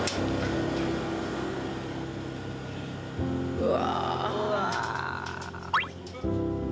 うわ。